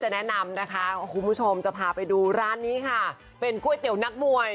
แนะนำนะคะคุณผู้ชมจะพาไปดูร้านนี้ค่ะเป็นก๋วยเตี๋ยวนักมวย